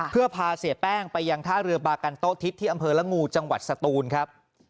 เพื่อพาเสียแป้งไปยังท่าเรือบากันโต๊ทิศที่อำเภอละงูจังหวัดสตูนครับ